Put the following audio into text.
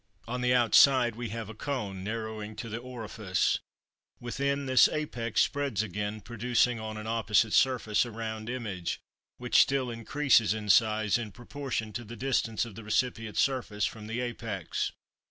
On the outside we have a cone narrowing to the orifice; within, this apex spreads again, producing on an opposite surface a round image, which still increases in size in proportion to the distance of the recipient surface from the apex.